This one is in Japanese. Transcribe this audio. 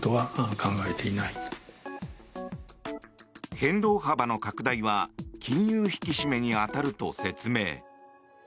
変動幅の拡大は金融引き締めに当たると説明。